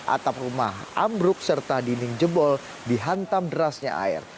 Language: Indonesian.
atap rumah amruk serta dining jebol dihantam derasnya air